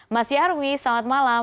mas nyarwi selamat malam